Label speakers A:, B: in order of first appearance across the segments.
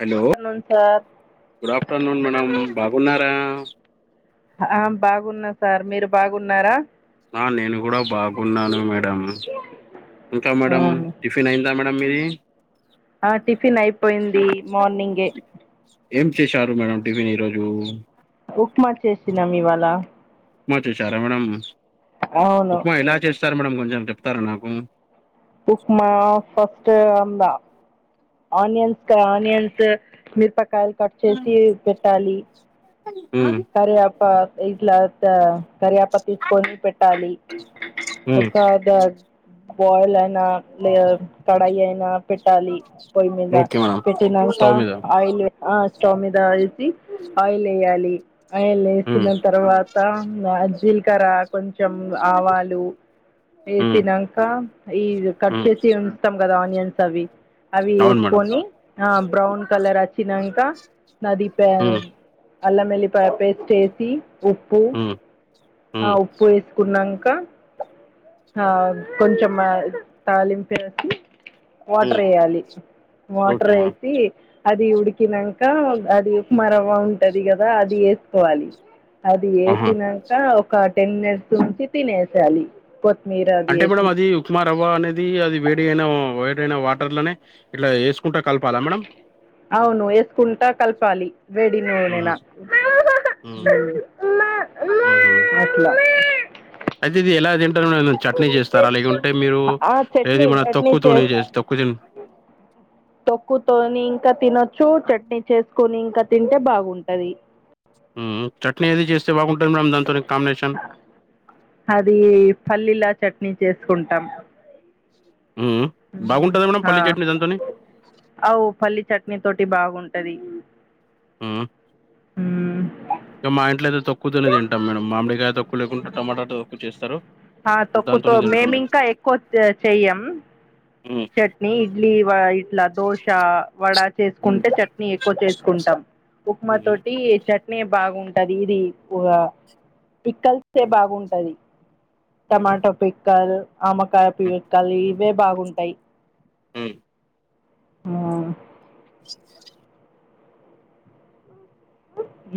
A: Hello
B: afternoon sir
A: good afternoon madam బాగున్నారా
B: ఆ బాగున్న సార్ మీరు బాగున్నారా
A: ఆ నేను కూడ బాగున్నాను మేడం, ఇంకా మేడం
B: అవును
A: టి ఫిన్ అయిందా మేడమ్ మీది
B: ఆ టిఫిన్ అయిపోయింది మార్నింగే
A: ఏం చేశారు మేడం టిఫిన్ ఈ రోజు
B: ఉప్మా చేసినం ఇవాళ
A: ప్మా చేసారా మేడం
B: అవును
A: ఉప్మా ఎలా చేస్తారు మేడం కొంచెం చెప్తారా నాకు
B: ఉప్మా ఫస్ట్ అందా ఆనియన్స్ క ఆనియన్స్ మిరపకాయలు కట్ చేసి పెట్టాలి
A: హ్మ్
B: కర్యాపా ఇట్ల క కర్యప్పక్ తీసుకొని పెట్టాలి
A: ఉమ్
B: ఒకా డ బాయిల్ అన లేద కడాయి అయినా పెట్టాలి పొయ్యి మీద
A: ఓకే మేడం
B: పెట్టినంకా
A: స్టవ్ మీద
B: ఆయిల్ బ్ ఆ స్టవ్ మీద ఏసి ఆయిల్ ఎయ్యాలి ఆయిల్
A: ఉమ్
B: ఏసిన తర్వాత్ త ఆ జీల్కరా కొంచెం ఆవాలు
A: ఉమ్
B: ఏసినంక ఈ కట్
A: ఉమ్
B: చేసి ఉన్ తం గదా ఆనియన్స్ అవి, అవి
A: అవును మేడం
B: ఏస్కొని ఆ బ్రౌన్ కలర్ అచ్చినంక అది పా
A: ఉమ్
B: అల్లమెల్లిప్ తపేస్ట్ ఏసి ఉప్పు
A: ఉమ్
B: ఆ
A: ఉమ్
B: ఉప్పు ఏసుకున్నంక ఆ కొంచెం ఆ తాలింపేసి
A: ఉమ్
B: వాటరేయాలి
A: ఓకే
B: వాటర్
A: మేడం
B: ఏసి అది ఉడికినంక అది ఉప్మరవ్వ ఉంటది గదా అది ఏసుకోవాలి అది
A: ఆహా
B: ఏసినంక ఒక టెన్ మినిట్స్ ఉంచి తినేసేయాలి కొత్తిమీర
A: అంటే మేడం అది ఉప్ ప్మా రవ్వ అనేది అది వేడి అయినా వేడైన వాటర్ లనే ఇట్ల ఏస్కుంట కలపాలా మేడం
B: అవును ఏస్కుంట కలపాలి వెేడి నూనెల
A: ఉహు ఉమ్
B: ఉమ్ అట్ల
A: అయితిది ఎలా తింటరు మేడం చట్నీ చేస్తారా లేకుంటే మీరు
B: ఆ
A: ఏది మన తొక్కుతోని చేస్ తొక్కు తిన్
B: సఓ తొక్కు తోనింక తినొచ్చు చట్నీ చేసుకొని ఇంకా తింటే బాగుంటది
A: ఉమ్ చట్నీ ఏది చేస్తే బాగుంటది మేడం దాని తోని కాంబినేషన్
B: అదీ పల్లీల చట్నీ చేసుకుంటాం
A: మ్ మ్ బాగుంటది మేడం పల్లీ చట్నీ దంతోని
B: అవ్ పల్లి చట్నీ తోటి బాగుంటది
A: ఆ
B: మ్
A: మా ఇంట్లయితే తోక్కుతోనే తింటాం మేము మామిడికాయ తోక్కు లేకుంటే టొమాటా తోక్కు చేస్తారు
B: ఆ తోక్కుతో
A: దాంతోనే
B: మేమి
A: తింటాము.
B: ఇంకా ఎక్కువ చ్ చెయ్యం
A: మ్
B: చట్నీ ఇడ్లీ వ ఇట్ల దోశ వడ
A: హ్మ్.
B: చేసుకుంటే చట్నీ ఎక్కువ చేసుకుంటాం ఉప్మా
A: హుహు.
B: తోటి చట్ ట్నే బాగుంటది ఇది ప్ పిక్కల్స్తే
A: హ్మ్.
B: బాగుంటది
A: హుహు.
B: టమాట పిక్కలు ఆవకాయ
A: హ్మ్.
B: పికల్ ఇవే బాగుంటాయి
A: మ్
B: ఆ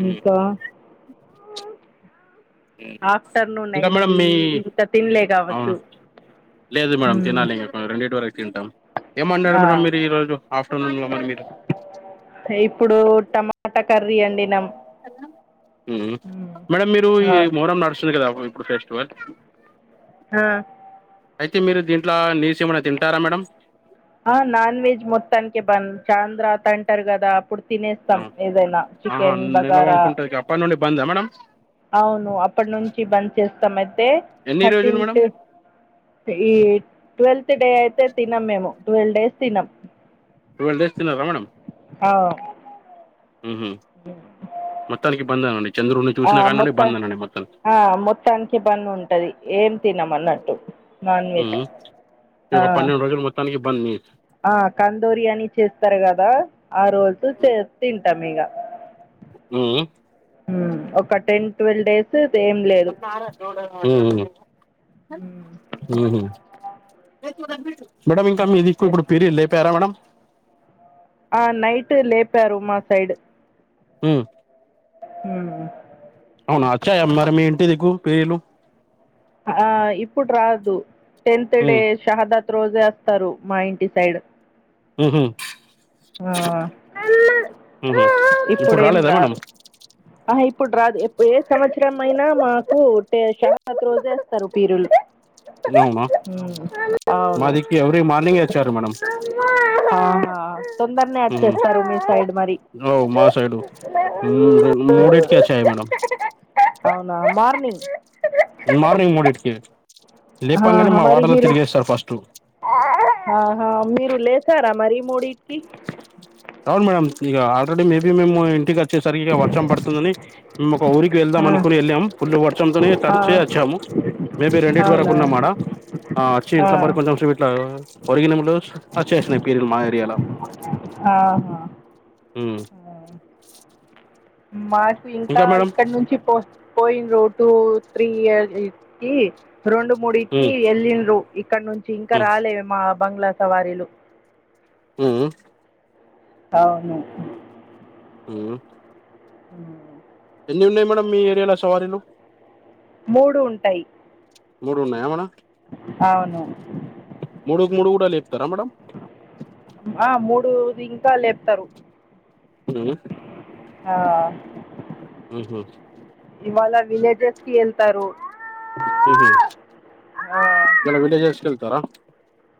A: హ్మ్.
B: ఇంకా
A: హ్మ్.
B: ఆఫ్టర్నూన్
A: ఇంకా మేడం
B: అయింది
A: మీ
B: ఇంకా తినలే
A: అవునా?
B: కావచ్చు
A: లేదు మేడం
B: మ్మ్
A: తినాలి ఇంగ రెండింటి వరకు తింటాం ఎం వండారు
B: ఆ
A: మేడం మీరు ఈరోజు ఆఫ్టర్నూన్లో మరి మీరు
B: ఇప్పుడు టమాటా కర్రీ అండి వండినం
A: మ్ మేడం మీరు ఈ
B: అవును
A: మొహరం నడుస్తుంది కదా ఇప్పుడు ఫెస్టివల్
B: ఆ
A: అయితే మీరు దీంట్ల నీస్ ఏమైనా తింటారా మేడం
B: ఆ నాన్ వెజ్ మొత్తనికే బంద్ చాంద్ర తంటర్ కదా పుడ్
A: ఆ,
B: తినేస్తాం ఏదైనా
A: ఆహా
B: చికెన్
A: నిల్వ
B: బగారా
A: ఉంటది అప్పటి నుండి బందా మేడం
B: అవును అప్పటి నుంచి బంద్ చేస్తామయితే
A: ఎన్ని రోజులు మేడం
B: థర్టీన్త్ ఈ ట్వెల్త్ డే అయితే తినం మేము ట్వెల్ డేస్ తినం
A: టువెల్ డేస్ తినరా మేడం
B: ఆ
A: మ్ హు మొత్తానికి బంద్ అన్ని చంద్రున్ని
B: ఆ
A: చసినా కానుండి
B: మొత్తం
A: బందనండి మొత్తం
B: ఆ మొత్తానికే బంద్ ఉంటది ఏం తినమన్నట్టు
A: మ్ ఒక పన్నెండు రోజులు మొత్తానికి బంద్ మీర్
B: ఆ కందోరియాని చేస్తారు కదా ఆ రోజు చే తింటాం ఇగ
A: మ్ మ్
B: మ్ ఒక టెన్ ట్వెల్వ్ డేస్ ఏం లేదు
A: మ్
B: ఉమ్,
A: మ్ మ్ మేడం ఇంకా మీదిక్కు ఇప్పుడు
B: ఎట్లా?
A: పిర్లు లేపరా మేడం
B: ఆ నైట్ లేపారు మా సైడ్
A: మ్
B: మ్
A: అవున వచ్చాయా మరి మీ ఇంటి దిక్కు పిరీలూ
B: ఆ ఇప్పుడు రాదు టెన్త్ డే
A: ఉమ్
B: షహదాత్ రోజె వస్తారు మా ఇంటి సైడ్
A: మ్ హు
B: ఆ
A: ఉహు ఇప్పుడు
B: ఇప్పుడేం
A: రాలేదా మేడం
B: రారు ఆహ ఇప్పుడు రాదు ఏ సంవత్సరం అయినా మాకు ట్ షహద్ రోజే వస్తారు పీరిలు
A: అవునా
B: అవును
A: మాదిక్కి ఎవ్రి మార్నింగే వచ్చారు మేడం
B: ఆహా తొందరనే
A: ఉహు
B: అచేస్తారు మీ సైడ్ మరి
A: హమ్ ఇవాళ మూడింటికి వచ్చాయా మేడం
B: అవునా మార్నింగ్
A: మార్నింగ్ మూడిటికి లేపంగానే
B: ఆహా,
A: మా
B: మరి
A: వాడలో
B: మీరు
A: తిరిగేస్తా ఫస్ట్
B: ఆహా మీరు లేసారా మరి మూడింటికి
A: అవును మేడం ఇక ఆల్రెడీ మేబీ మేము ఇంటికి వచ్చేసరికి ఇక వర్షం పడుతుందని మేము ఒక ఊరికి వెళ్దాం
B: ఆ,
A: అనుకుని వెళ్ళాం ఫుల్లు వర్చంతోనే
B: ఆ,
A: తడిచే వచ్చాము మేబి రెండింటి వరకు
B: అవునా
A: ఉన్నా ఆ డ ఆ వచ్చి ఇంట్లో పడి కొంచెం సేపు ఓ రిగినమో లేదో వచేసినాయి పిరీలు మా ఏరియాలో
B: ఆహా
A: హహమ్
B: మాకు ఇంకా ఇక్కడ నుంచి పో పోయిండ్రు టు త్రీ ఇయర్ కి రెండు మూడుంటికి
A: ఉమ్,
B: వెళ్ళిన్రు ఇక్కడ నుంచి ఇంకా
A: ఉమ్,
B: రాలే మా బంగ్లా సవారీలు
A: హమ్
B: అవును
A: హమ్
B: ఉమ్
A: ఎన్ని ఉన్నాయి మేడంమ్ మీ ఏరియాలో సవారీలు
B: మూడు ఉంటాయి
A: మూడు ఉన్నాయా మేడమ్
B: అవును
A: మూడుకు మూడు కూడా లేపుతారా మేడం
B: ఆ మూడు ఇంకా లేపుతారు
A: ఉమ్
B: ఆ
A: ఉహు,
B: ఇవాళ విలేజెస్ కి వెళ్తారు
A: ఉమ్
B: ఆ,
A: దాన్లో విలేజెస్ కి వెళ్తారా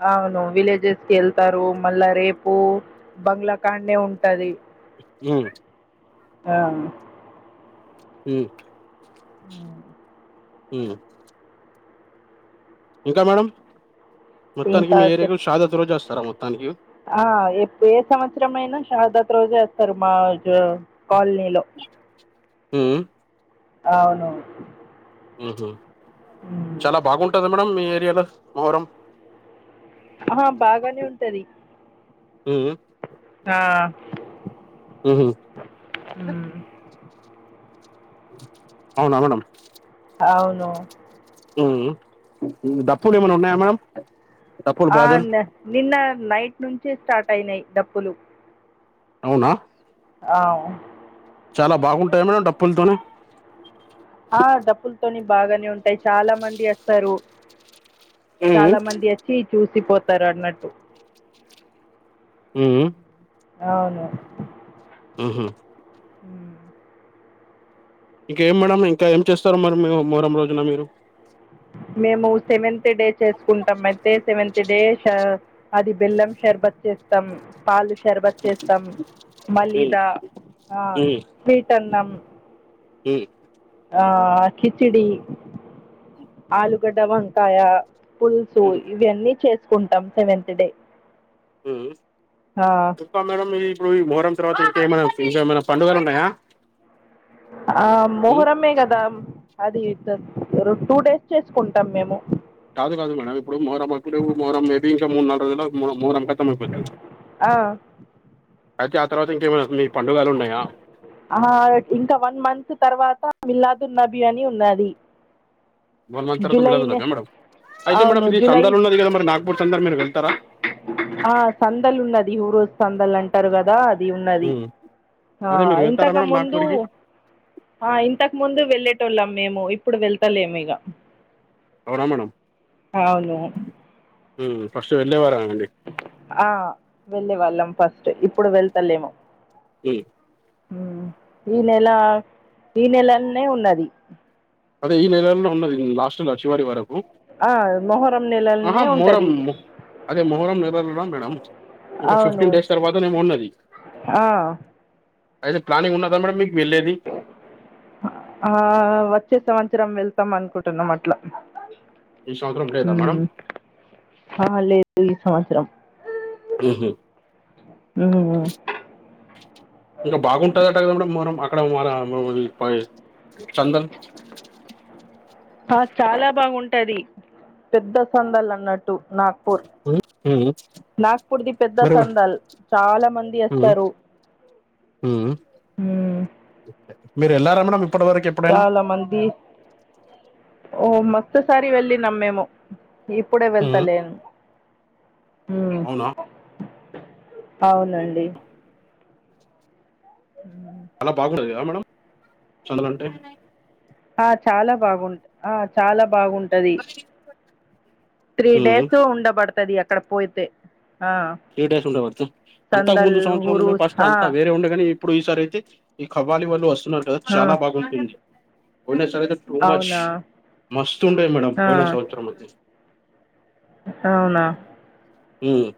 B: అవును విలేజెస్ కి వెళ్తారు మళ్ళా రేపు బంగ్లాకాండే ఉంటది
A: ఉమ్
B: అ
A: హమ్ ఉహ్ ఇంకా మేడం మొత్తానికి
B: ఇంకా
A: మీ
B: చెప్
A: ఏరియాకు షహదత్ రోజుస్తారా మొత్తానికి
B: ఆ ఏ సంవత్సరం అయినా షహదత్ రోజే వస్తారు మా కాలనీలో
A: ఉమ్
B: అవును
A: హుహు
B: మ్
A: చాలా బాగుంటది మేడం మీ ఏరియాలో మొహరం
B: ఆహా బాగానే ఉంటది
A: హు
B: ఆ
A: హమ్
B: హు
A: అవునా మేడం
B: అవును
A: ఉమ్ డాప్పులు ఏమైనా ఉన్నాయా మేడమ్
B: ఆ అండి నిన్న నైట్ నుంచి స్టార్ట్ అయినాయి డప్పులు
A: అవునా
B: అవు
A: చానాబాగుంటది మన డప్పులతో [unintelligible]
B: ఆ డప్పులతోని బాగానే ఉంటాయి చాలా మంది వస్తారు
A: ఉమ్
B: చాలా మంది వచ్చి చూసిపోతారు అన్నట్టు
A: ఉ
B: అవును
A: ఉహు
B: మ్
A: ఇంక ఏం మేడంమ్ ఇంక ఏం చేస్తారు మరి మూరం రోజున మీరు
B: మేము సెవెంత్ డే చేసుకుంటాం అయితే సెవెంత్ డే అది బెల్లం షర్బత్ చేస్తాం పాలు శర్బత్ చేస్తాం
A: ఉమ్
B: మళ్ళీద స్వీట్ అన్నాం
A: ఈ
B: ఆ కిచిడి ఆలుగడ్డ వంకాయ పులుసు
A: ఉమ్
B: ఇవన్నీ చేసుకుంటాం సెవెంత్ డే
A: చెప్పా మేడం ఇ ఇప్పుడు ఈ మోహరం తర్వాత ఇంకేమైన ఇంకేమైన పండుగలు ఉన్నాయా
B: ఆ
A: ఉమ్
B: మహురమే కదా అది టూ డేస్ చేసుకుంటాం మేము
A: కాదు కాదు మేడం ఇప్పుడు [unintelligible] [unintelligible] అయితే ఆ తర్వాత ఇంకేమ మీ పండుగలు ఉన్నాయా
B: ఆ ఇంకా వన్ మంత్ తర్వాత మిలాదు నబీ అని ఉన్నది
A: వన్ మంత్ తరువాత
B: జూలై
A: వెళ్దదున్నావే మేడం అయితే మేడం
B: అవును
A: ఇది
B: జూలై
A: సందాలు ఉన్నది కదా మరి నాగపూర్ సందాలు మీరు వెళ్తారా
B: ఆ సందలు ఉన్నది [unintelligible] రోజ్ సందలు అంటారు కదా ఇది ఉన్నది
A: ఉమ్.
B: ఆ
A: అదే మీరు వెళ్తారా
B: ఇంతక
A: మేడం
B: ముందు
A: నాగ్పూర్కి
B: ఆ ఇంతకు ముందు వెళ్ళేటోళ్ళం మేము ఇప్పుడు వెళ్తలేము ఇగ
A: అవునా మేడం
B: అవును
A: ఫస్ట్ వెళ్ళేవారా అండి
B: ఆ వెళ్ళే వాళ్ళం ఫస్ట్ ఇప్పుడు వెళ్తలేము
A: ఉమ్.
B: ఈ నెల ఈ నెలనే ఉన్నది
A: అదే ఈ నెలల్లో ఉన్నది లాస్ట్ చివరి వరకు
B: ఆ మొహరం
A: ఆహా
B: నెలలనే
A: మొహరం
B: ఉంటది
A: మొ- అదే మొహూరం [unintelligible] మేడం ఇంకా
B: అవును
A: ఫిఫ్టీన్ డేస్ తర్వాతనేేము ఉన్నది
B: ఆ
A: అయితే ప్లానింగ్ ఉన్నదా మేడం మీకు వెళ్ళేది
B: ఆ వచ్చే సంవత్సరం వెళ్తాం అనుకుంటున్నాం అట్లా
A: ఈ సంవత్సరం లేదా మేడం
B: అ లేదు ఈ సంవత్సరం
A: ఉహు
B: ఉమ్.
A: ఇంకా బాగుంటందట [unintelligible] [unintelligible]
B: ఆ చాల బాగుంటది పెద్ద సందల్ అన్నట్టు నాకు [unintelligible] నాగ్పూర్ది పెద్ద
A: మరి
B: సందల్ చాలా మంది వస్తారు
A: హు
B: మ్మ్.
A: మీరు వెళ్ళారా మేడం ఇప్పటి వరకే [unintelligible]
B: చాల మంది ఓ మస్తుసరి వెళ్ళినం మేము ఇప్పుడే
A: ఉమ్,
B: వెళ్తాలేను
A: అవునా
B: అవునండి హు
A: [unintelligible]
B: ఆ చాలా బాగుంట ఆ చాలా బాగుంది త్రీ
A: ఉమ్,
B: డేస్ ఉండబడుతది అక్కడ పోయితే ఆ
A: త్రీ డేస్ ఉండే బడతది అంతా
B: సందల్
A: ముందు సంవత్సరం
B: ఊరు
A: ఉండే ఫస్ట్
B: ఆ
A: అంతా వేరే ఉండేగా ఇప్పుడు ఈ సారి అయితే ఈ కఖ్వాలీ వళ్ళు వస్తున్నరు
B: ఆ
A: చాలా బాగుంటుంది పోయిన సార్యితే టూ మచ్
B: అవునా
A: మస్తు ఉండే మేడం
B: ఆ
A: పోయిన సంవత్సరం అయితే
B: అవునా
A: ఉమ్,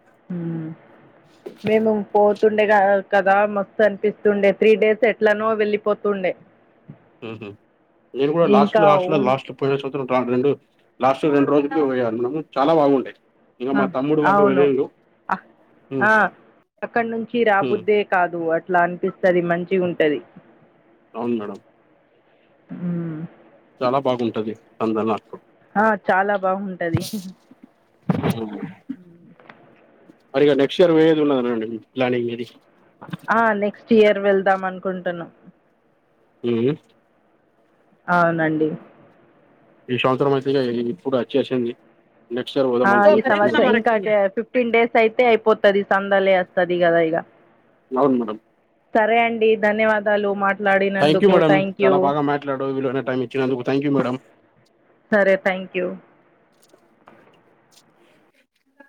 B: మేము పో తుండే కదా మస్తు అనిపిస్తుండే త్రీ డేస్ ఎట్లానో వెళ్ళిపోతుండే
A: నేను కూడా
B: ఇంకా
A: లాస్ట్లో లాస్ట్ లో
B: ఉన్
A: లా పోయిన సంవత్సరం రెండు లాస్ట్ రెండు రోజులు పోయినం మనం చాలా బాగుండే
B: ఆ అవును
A: ఉమ్,
B: హ అక్కడి నుంచి రా
A: ఉమ్.
B: బుద్దే కాదు అట్లా అనిపిస్తది మంచిగా ఉంటాది
A: అవును మేడమ్
B: హ
A: చాలా బాగుంటది అందుల
B: ఆ చాలా బాగుంటది
A: అ
B: అ
A: మరి ఇక నెక్స్ట్ ఇయర్ పోయేది ఉన్నాదనండి ప్లానింగ్ ఏది మిది
B: ఆ నెక్స్ట్ ఇయర్ వెళ్దాం అనుకుంటున్నాం
A: ఉ
B: అవునండి
A: ఈ సంవస్రం అయితే ఇప్పుడు వచ్చేసింది నెక్స్ట్ ఇయర్
B: ఆ!
A: పోదామని
B: ఈ
A: చూస్తున్నాం
B: సంవత్సరం ఇంకా టె ఫిఫ్టీన్ డేస్ అయితే అయిపోతది సందలే వస్తుంది కదా ఇక
A: అవును మేడమ్
B: సరే అండి ధన్యవాదాలు
A: థ్యాంక్
B: మాట్లాడినందుకు
A: మేడం
B: థ్యాంక్ యూ
A: చాలా బాగా మాట్లాడవు మీ విలువైన టైం ఇచ్చినందుకు థ్యాంక్ యూ మేడం
B: సరే థ్యాంక్ యూ